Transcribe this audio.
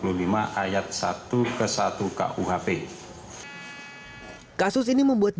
kasus ini membuat jaksa agung muda pengawasan video prasarana